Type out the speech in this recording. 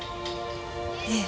ええ。